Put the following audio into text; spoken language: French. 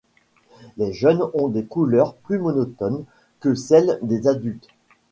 Les jeunes ont des couleurs plus monotones que celles des adultes.